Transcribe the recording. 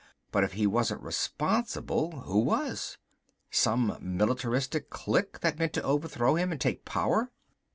But if he wasn't responsible who was? Some militaristic clique that meant to overthrow him and take power?